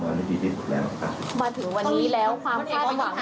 มาถึงวันนี้แล้วความคิดต้องหวังของเราจะเป็นฝ่ายค้าในฝ่ายรัฐบาลบีค่ะ